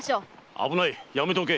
危ないやめておけ。